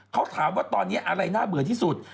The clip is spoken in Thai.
เขาถามว่าตอนนี้อะไรน่าเบื่อที่สุด